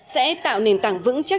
sẽ tạo nền tảng vững chắc